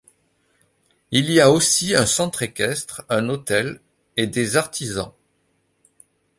Il y a aussi un centre équestre, un hôtel, et des artisans.